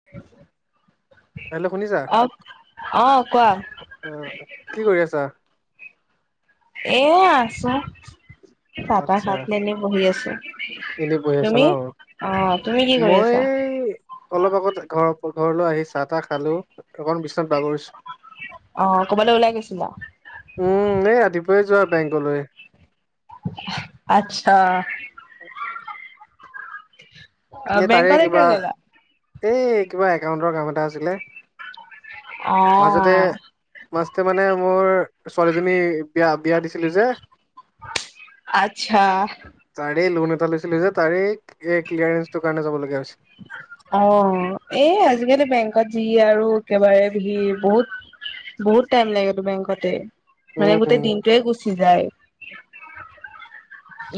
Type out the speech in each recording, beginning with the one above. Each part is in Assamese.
[inaudible] হেল্ল' শুনিছা অ অ কোৱা কি কৰি আছা? এ আছো চা তা খাই এনে বহি আছো। এনে বহি আছা তুমি ন' অ তুমি কি কৰি মই আছা অলপ আগত ঘৰ ঘৰলৈ আহি চাহ তাহ খালোঁ অকণ বিচনাত বাগৰিছো। অ'কবালো ওলাই গৈছিলা। উম এই ৰাতিপুৱাই যোৱা বেংকলৈ। আতচা হয়। অ তাৰে বেংকলে কিবা কিয় গ'লা? এই কিবা একাউন্টৰ কাম এটা আছিলে। অ মাজতে মাজতে মানে মোৰ ছোৱালীজনী বিয়া বিয়া দিছিলো যে। আটছা। তাৰে লোন এটা লৈছিলো যে। তাৰে এই ক্লিয়াৰেন্ঞ্চটোৰ কাৰণে যাবলগীয়া হৈছে। অ এই আজি-কালি বেংকত যি আৰু একেবাৰে ভিৰ, বহুত বহুত টাইম লাগেটো বেংকতে। মানে উম গোটেই উম দিনটোৱে গুচি যায়।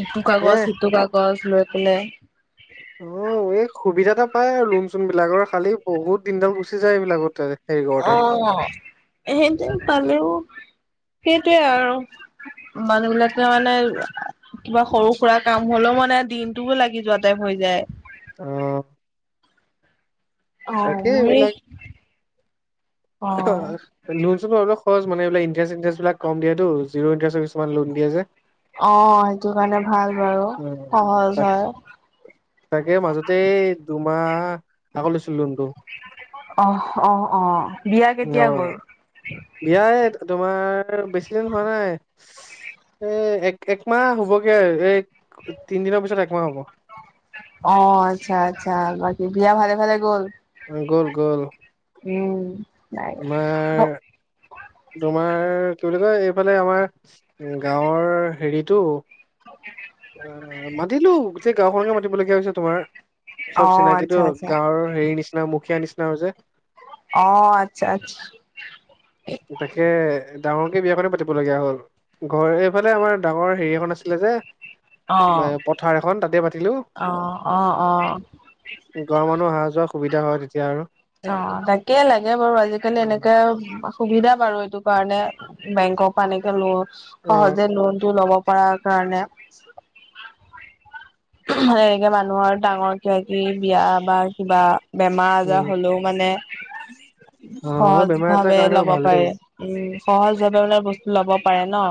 ইটো এ কাগজ, সিটো কাগজ গজ লৈ পেলাই অ এই সুবিধা এটা পাই আৰু লোন-চোন বিলাকৰ খালি বহুত দিনডাল গুচি যায় এইবিলাকতে। অ সেইটো পালেও সেইটোৱে আৰু। মানুহবিলাকে মানে কিবা সৰু-সুৰা কাম হ'লেও মানে দিনটো লাগি যোৱা টাইপ হৈ যায়। অ। অ তাকে মোৰে অ সেইটো লোন-চোন অলপ সহজ মানে এইবিলাক ইণ্টাৰেষ্ট চিণ্টাৰেষ্টবিলাক কম দিয়েটো। জিৰ' ইণ্টাৰেষ্টৰ কিছুমান লোন দিয়ে যে। অ সেইটো কাৰণে ভাল বাৰু, অ' সহজ তাক হয়। তাকে মাজতে দুমাহ আকৌ লৈছিলো লোনটো। অহ, অ, অ। বিয়া কেতিয়া অ গ'ল? বিয়া এ তোমাৰ বেছি দিন হোৱা নাই। এ এক একমাহ হ'বগে। এ তিনদিনৰ পিছত একমাহ হ'ব। অ আচ্ছা, আচ্ছা। বাকী বিয়া ভালে ভালে গ'ল? গ'ল, গ'ল। উম। নাই তোমাৰ তোমাৰ কি বুলি কয় এইফালে আমাৰ গাঁৱৰ হেৰিটো [unintelligible] অ মাতিলো গোটেই গাঁওখনকে মাতিবলগীয়া হৈছে তোমাৰ। অ চব চিনাকিটো আচ্ছা আচ্ছা গাঁৱৰ হেৰি নিচিনা মুখীয়া নিচিনা হৈছে। অ আচ্ছা, আচ্ছা। তাকে ডাঙৰকে বিয়াখনে পাতিবলগীয়া হ'ল। ঘৰ এইফালে আমাৰ ডাঙৰ হেৰি এখন আছিলে যে অ পথাৰ এখন তাতে পাতিলো। অ অ অ ঘৰৰ মানুহ অহা যোৱা সুবিধা হয় তেতিয়া আৰু। অ তাকে লাগে বাৰু আজি-কালি এনেকে সুবিধা বাৰু এইটো কাৰণে বেংকৰ পৰা এনেকে ল অ সহজে লোনটো ল'ব পৰা কাৰণে। [inaudible] মানে এনেকে মানুহৰ ডাঙৰ কিবা-কিবি বিয়া বা কিবা বেমাৰ আজাৰ উম হ'লেও মানে অ সহজ বেমাৰ আজাৰ ভাৱে কাৰণেও ল'ব ভাল দেই পাৰে, উম সহজ ভাৱে মানে বস্তু লব পাৰে ন।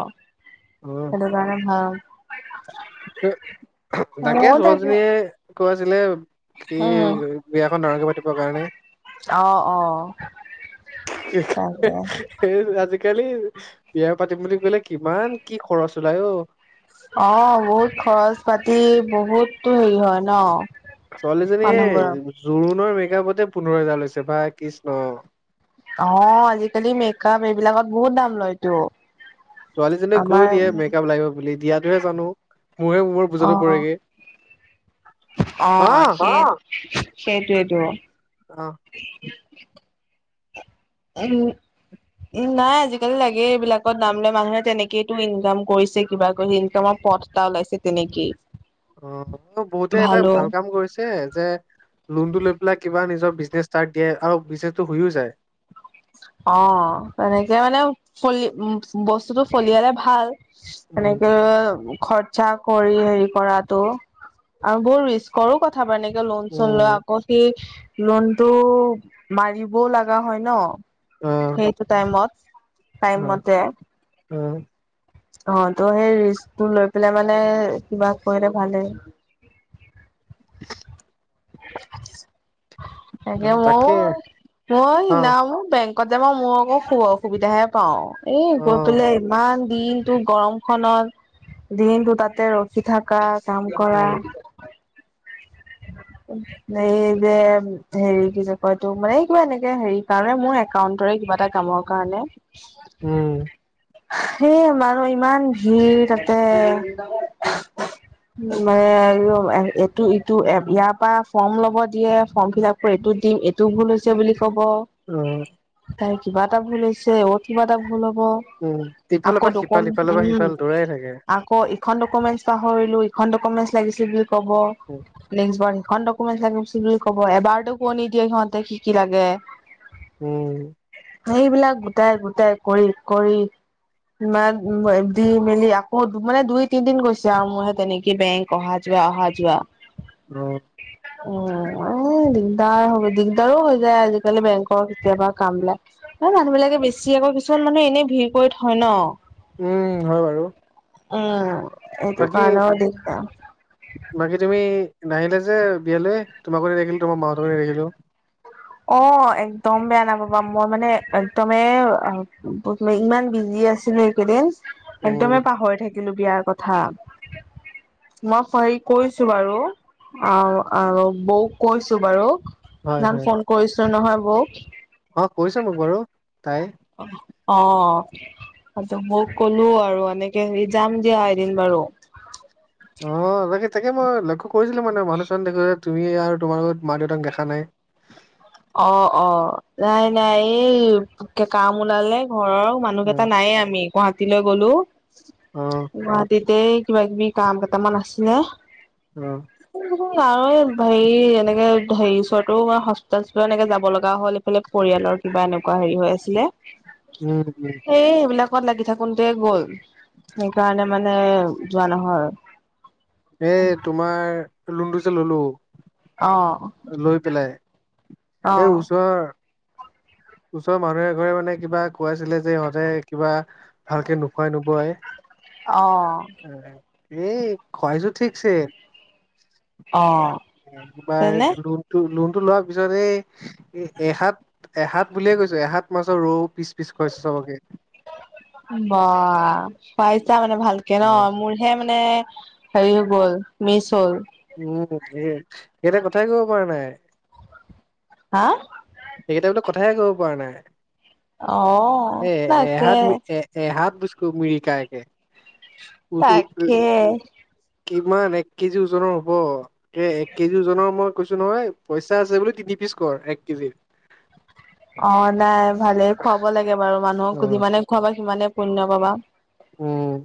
অ। সেইটো কাৰণে ভাল। তাকে ছোৱালীজনীয়ে কৈ আছিলে কি উম বিয়াখন ডাঙৰকে পাতিবৰ কাৰণে। অ, অ। তাকে [unintelligible] আজি-কালি বিয়া পাতিম বুলি ক'লে কিমান কি খৰচ ওলাই ঔ। অ বহুত খৰচ পাতি, বহুতো হেৰি হয় ন? ছোৱালীজনী এই মানুহবোৰৰ জোৰোণৰ মেকআপতে পোন্ধৰ হেজাৰ লৈছে ভাই কৃষ্ণ। অ আজিকালি মেকআপ এইবিলাকত বহুত দাম লয়তো। ছোৱালীজনীয়েক আমাৰ কৈ দিয়ে মেকআপ লাগিব বুলি দিয়টোহে জানো, মোৰহে ম মোৰ বুজাতো অ', পৰেগে। অ [unintelligible] সেই সেইটোৱেতো। অ। [unintelligible] নাই আজিকালি লাগে এইবিলাকত নাম ললে মানুহে তেনেকেইটো ইনকাম কৰিছে, কিবা কৰি ইনকামৰ পথ টা ওলাইছে তেনেকেই। অ বহুতে এটা ভালো ভাল কাম কৰিছে যে লোনটো লৈ পেলাই কিবা নিজৰ বিজনেছ ষ্টাৰ্ট দিয়ে আৰু বিজনেচটো হয়ো যায়। অ তেনেকে মানে ফল উ বস্তুটো ফলিয়ালে ভাল। এনেকে উম খৰচা কৰি হেৰি কৰাতটো আৰু বহুত ৰিচ কৰো [unintelligible] এনেকে লোন চোন লৈ উম আকৌ সি লোনতটো মাৰিবও লগা হয় ন। অ সেইটো টাইমত টাইম মতে। অ। অ ত' সেই ৰিস্কটো লৈ পেলাই মানে কিবা কৰিলে ভালেই। [inaudible] তাকে মই-মই স অ নাম বেংক কত যাব মই মোৰ আকৌ অসুবিধাহে পাও, এই অ গৈ পেলাই ইমান দিনটো গৰম খনত দিনতটো তাতে ৰখি থকা কাম কৰা৷ উম এই যে হেৰি কি যে কয়তটো মানে এই কিবা এনেকে হেৰি কাৰণে মোৰ একাউণ্টৰে কিবা এটা কামৰ কাৰনে। উম। সেই আমাৰো ইমান ভিৰ তাতে। মানে অ এইটো ইটো এ ইয়াত তা ফৰ্ম লব দিয়ে,, ফৰ্ম ফিল আপ কৰি এইটো দিম এইটো ভুল হৈছে বুলি কব। অ। তাই কিবা এটা ভুল হৈছে ও কিবা এটা ভুল হ'ব। উম ইফালৰ আকৌ পৰা [unintelligible] সিফাল সিফালৰ পৰা উম্ সিফাল দৌৰাই থাকে। আকৌ অ ইখন ডকুমেন্টছ পাহৰিলো ইখন ডকুমেন্ট লাগিছিল বুলি ক'ব উম নেক্স বাৰ। খন ডকুমেণ্ট লাগে বুলি কব এবাৰতো কৈ নিদিয়ে সিহঁতে কি কি লাগে। উম। সেইবিলাক গোটাই-গোটাই কৰি-কৰি মান দি মেলি আকৌ মানে দুই তিনদিন গৈছে আও মোৰ, সেই তেনেকেই বেংক অহা যোৱা অহা যোৱা। অ। উম, এ দিগদাৰ হ'ব দিগদাৰো হৈ যায় আজিকালি বেংকৰ কেতিয়াবা কাম বিলাক৷ ন মানুহবিলাকে বেছি আকৌ কিছুমান মানুহে এনে ভিৰ কৰি থয় ন? উম হয় বাৰু। উম এইটো বাকী কালও দিগদাৰ। বাকী তুমি নাহিলে যে বিয়ালৈ? তোমাক ক ৰাখিলো তোমাৰ মাহঁতৰ ৰাখিলোঁ। অ একদম বেয়া নাপাবা, মই মানে একদমেই আ ব ইমান বিজি আছিলো একেইদিন, উম একদমেই পাহৰি থাকিলো বিয়াৰ কথা। মই হেৰি কৈছো বাৰু। আও আৰু বৌক কৈছো বাৰু, হয় ইমান হয় ফোন কৰিছো নহয় বৌক। অ কৈছ মোক বাৰু তাই। অ। মই ক'লো আৰু এনেকে হেৰি যাম দিয়া এদিন বাৰু। অঁ তাকে তাকে মই লক্ষ্য কৰিছিলোঁ মানে মানুহজন দেখ যে তুমি আৰু তোমাৰ লগত মা - দেউতাক দেখা নাই। অ অ, নাই নাই এই কাম ওলালে ঘৰৰ। মানুহক অ এটা নাই আমি গুৱাহাটীলৈ গলো, অ গুৱাহাটীত তে কিবা - কিবি কাম কেইটামান আছিলে। অহ। আৰু এই হেৰি এনেকে হেৰি ওচৰতটো মই হস তাৰপিছত এনেকে যাব লগা হ'ল, এইফালে পৰিয়ালৰ কিবা এনেকুৱা হেৰি হৈ আছিলে, উম উম সেই - সেইবিলাক লগত লাগি থাকোনতে গ'ল সেইকাৰণে মানে যোৱা নহয় আৰু। এ তোমাৰ লুণ্ড চ ললো অ', লৈ পেলাই, সেই অ', ওচৰৰ ওচৰৰ মানুহ এ ঘৰে মানে কিবা খুৱাইছিলে যে ইহঁতে, কিবা ভালকে নোখোৱাই নোবোৱাই। অ। এই খুৱাইছো ঠিকছে। অ। একবাৰ তেনে লোনটো - লোনটো লোৱাৰ পিছত এই এ এহাত এহাত বুলিয়ে কৈছো, এহাত মাছৰ ৰৌ পিচ পিচ খুৱাইছো চবকে। বা! খুৱাইছা মানে ভালকে ন মোৰ হে মানে হেৰি হৈ গ'ল মিচ হ'ল। উম এ সেইতে কথাই কব পৰা নাই। হা! সেইকেইটা বোলে কথাই কব পৰা নাই। অ এ তাকে এহাত এ এ হাত বুসকো মিৰিকাইকে উ উ তাকে কিমান এক কেজি ওজনৰ হ'ব? এ এক কেজি ওজনৰ মই কৈছো নহয় পইচা আছে বুলি, তিনি পিচ কৰ এক কেজি। অঁ নাই ভালেই খুৱাব লাগে বাৰু মানুহক। অ' যিমানে খোৱাবা সিমানে পুণ্য পাবা। উম।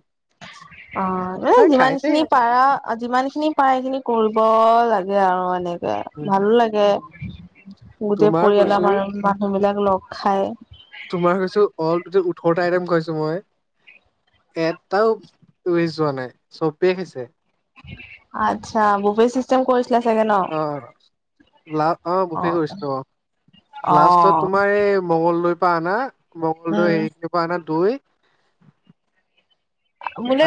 অঁ ন তাই যিমান খাইছে খিনি পাৰা আ যিমানখিনি পায় সেইখিনি কৰিব লাগে আৰু এনেকে উম ভালো লাগে। গোটেই তোমাৰ পৰিয়ালৰ কৈছো মানুহ - মানুহবিলাক লগ খাই৷ তোমাৰ কৈছো অল টটেল ওঠৰটা আইটেম খুৱাইছো মই এটাও ৱেষ্ট যোৱা নাই চবে খাইছে। আচ্ছা বফে চিষ্টেম কৰি অ অ, লা অ বফে কৰিছিলো অ, অ লাষ্টত তোমাৰ এই মঙলদৈৰ পৰা আনা, মঙলদৈ উম সেইখিনিৰ পৰা আনা দৈ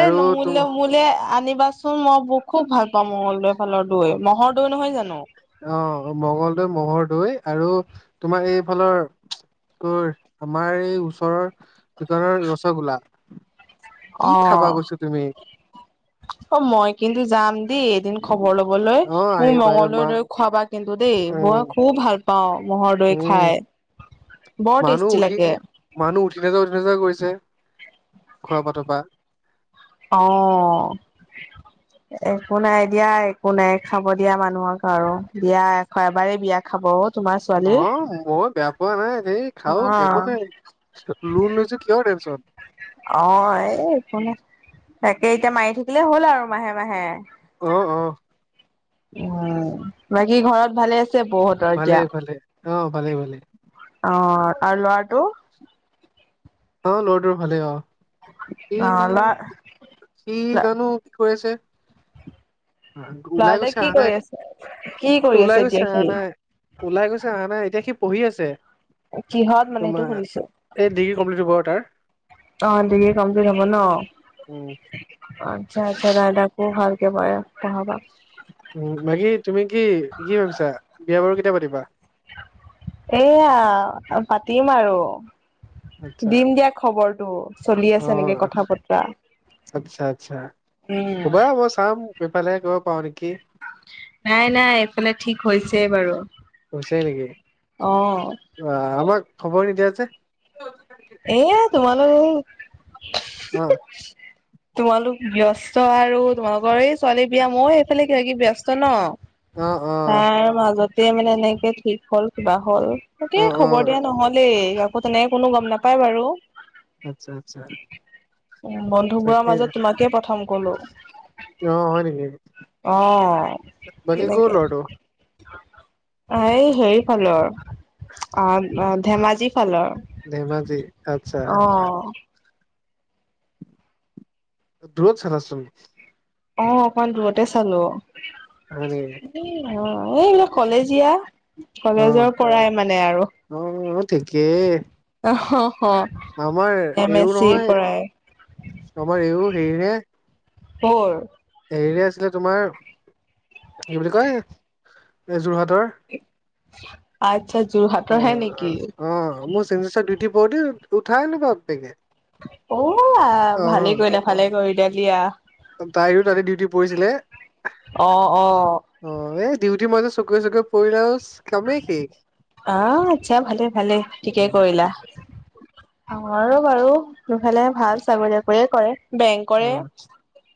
আৰু তোম আনিবাচোন মই ব খুব ভাল পাওঁ মঙ্গলদৈৰ ফালৰ দৈ। মহৰ দৈ নহয় জানো? অঁ মংগলদৈৰ মহৰ দৈ আৰু তোমাৰ এইফালৰ কৰ আমাৰ এই ওচৰৰ দোকানৰ ৰসগোল্লা। কি খাবা অঁ। কৈছো তুমি অঁ মই কিন্তু যাম দেই এদিন খবৰ লবলৈ। অ মোৰ আহিবা আহিবা মঙ্লদৈ মা দৈ খোৱাবা কিন্তু দেই। মই উম খুব ভাল পাওঁ ম'হৰ দৈ খাই। উম বৰ মানুহ টেষ্টি উঠি লাগে। মানুহ উঠি নাযাও উঠি নাযাও কৰিছে খোৱা পাত পা৷ অঁ। একো নাই দিয়া একো নাই খাব দিয়া মানুহক আৰু। বিয়া এশ এবাৰেই বিয়া খাব অ! তোমাৰ ছোৱালীৰ অঁ মই বেয়া পোৱা নাই। হেই অ খাৱক একো নাই, লোন লৈছো কিয় টেনচন। অঁ এই সোনে তাকে এতিয়া মাৰি থাকিলে হ'ল আৰু মাহে-মাহে। অঁ। উম বাকী ঘৰত ভালে আছে? বৌহঁতৰ এতিয়া? ভালে- ভালে অ, ভালে- ভালে। অ, তাৰ ল'ৰাটো অ, লৰাটোৰ ভালেই আও অ', ই ল'ৰা সি জানো কি কৰি আছে? [unintelligible] ওলাই ল'ৰাটোৱে গৈছে কি আহা কৰি নাই আছে? কি অ, কৰি আছে ওলাই গৈছে এতিয়া আহা সি? নাই। ওলাই গৈছে আহা নাই এতিয়া সি পঢ়ি আছে। কিহত মানে সেইটো তোমাৰ সুধিছো? এই ডিগ্ৰী কমপ্লিট হ'ব আৰু তাৰ অ, ডিগ্ৰী কমপ্লিত হব ন'। উম আচ্ছা- আচ্ছা দাদাকো ভালকে [unintelligible] দেখাবা। উম, বাকী তুমি কি- কি ভাবিছা বিয়া বাৰু কেতিয়া পাতিবা? এয়া অ, পাতিম আৰু। আচ্ছা দিম দিয়া খবৰটো চলি অ আছে নেকি কথা বতৰা? আচ্ছা -আচ্ছা উম। ক'বা মই চাম সিফালে গৈ পাওঁ নেকি। নাই- নাই এইফালে ঠিক হৈছেই বাৰু অ। বাহ, আমাক খবৰ নিদিয়া যে? এয়া তোমালোক অ', তোমালোক ব্যস্ত আৰু তোমালোকৰ এই ছোৱালী বিয়া মই ইফালে কিবা- কিবি ব্যস্ত ন' অ', অ', তাৰ মাজত তে মানে এনেকে ঠিক হ'ল কিবা হল তাকেই অ', খবৰ অ', দিয়া নহলেই আকৌ তেনেকে কোনো গম নাপ পায় বাৰু। আচ্ছা-আচ্ছা [unintelligible] অ, মন তাকে অ, হয় নেকি? অ, বাকী ক'ৰ হেনেকে। ল'ৰাটো? অ, এই হেৰি ফালৰ অ', অ', ধেমাজি। ফালৰ ধেমাজি আচ্ছা, অ', দূৰত চালা চোন? অ', অকমান দূৰতে চালো। হয় নেকি? [unintelligible] এ এইবিলাক অ', কলেজীয়া-কলেজৰ পৰাই মানে আৰু। অ, ঠিকেই। অহ, হ - হ। আমাৰ এইও নহয়, আমাৰ এইও হেৰীৰহে। ক'ৰ? হেৰীৰে আছিলে তোমাৰ কি বুলি কয় এই যোৰহাটৰ। আচ্ছা যোৰহাটৰ হে অ', নেকি? অ, মোৰ চিগনেচাৰ দিত [unintelligible] উঠাই আনো বাপ্পেকে। ঔ আ, ভালে কৰিলা -ভালে কৰিলা দিয়া। তাইৰো তাতে ডিউটি পৰিছিলে অ', অ', অ, এই ডিউটি মই যে চকুৱে -চকুৱে পৰিলে আওচ কামেই শেষ। আহ, আচ্ছা ভালে- ভালে ঠিকে অ', কৰিলা। আমাৰো বাৰু দুফালে ভাল চাকৰি তাকৰিয়ে কৰে। বেংকৰে অ',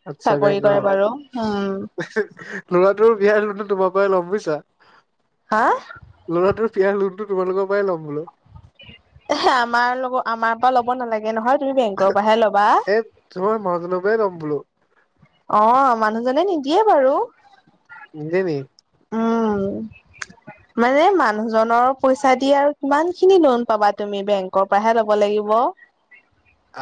আচ্ছা চাকৰি বেংগলৰ কৰে বাৰু উম। [unintelligible] ল'ৰাটোৰ বিয়াই লোনটো তোমাৰ পৰাই লম বুইছা? হা? ল'ৰাটোৰ পিয়াৰ লোনটো তোমালোকৰ পৰাই ল'ম বোলো। [unintelligible] আমাৰ লব আমাৰ পা ল'ব নালাগে নহয় তুমি বেংকৰ পৰাহে ল'বা? এ তোমাৰ মাহাজনৰ পৰাই লম বোলো। অ মানুহজনে নিদিয়ে বাৰু। নিদিয়ে নি? উম মানে মানুহজনৰ- পইচা দি আৰু কিমান খিনি লোন পাবা তুমি বেংকৰ পৰাহে ল'ব লাগিব।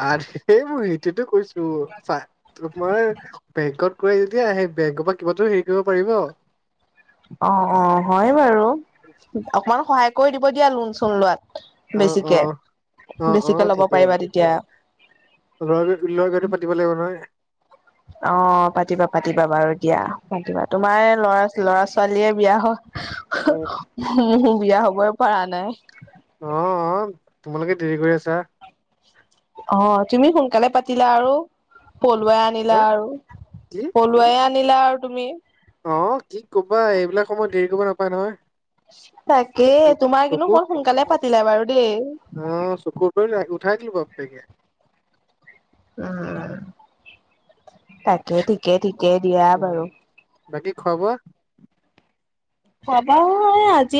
আৰে মোৰ সিটোতো কৈছো চাই - তোমাৰ বেংকত কৈ যেতিয়া সেই বেংকৰ পৰা কিবা হেৰি কৰিব পাৰিব। অ অ হয় বাৰু অকমান সহায় কৰি দিব দিয়া লোন চোন লোৱাত। অ', অ', অ', বেছিকে-বেছিকে ল'ব পাৰিবা তেতিয়া। [unintelligible] পাতি লাগিব নহয়৷ অ পাতিবা-পাতিবা বাৰু দিয়া পাতিবা তোমাৰ ল'ৰা ল'ৰা ছোৱালীয়ে বিয়া অ', হয়। মোৰ বিয়া হবই পৰা নাই। অ-অ তোমালোকে দেৰি কৰি আছা৷ অ তুমি সোনকালে পাতিলা, আৰু পলুৱাই আনিলা হা আৰু পলো- কি? পলোৱাই আনিলা আৰু তুমি। অ কি কবা এইবিলাক সময় দেৰি কৰিব নাপায় নহয়। তাকে চ তোমাৰ কিন্তু চকু বহুত সোনকালে পাতিলো বাৰু দেই। অ চকুৰ পৰিল উঠাই দিলো বাপেকে। উম তাকে ঠিকে - ঠিকে দিয়া উম বাৰু। বাকী খোৱা বোৱা? [unintelligible] আজি-